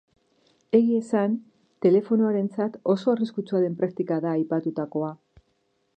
Egia esan, telefonoarentzat oso arriskutsua den praktika da aipatutakoa.